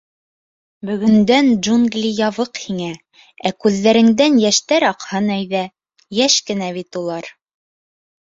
Бөгөндән джунгли ябыҡ һиңә, ә күҙҙәреңдән йәштәр аҡһын әйҙә, йәш кенә бит улар.